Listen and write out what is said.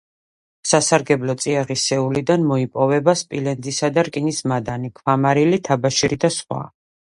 სასარგებლო წიაღისეულიდან მოიპოვება სპილენძისა და რკინის მადანი, ქვამარილი, თაბაშირი და სხვა.